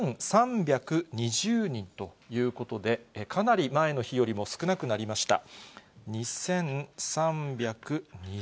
２３２０人ということで、かなり前の日よりも少なくなりました。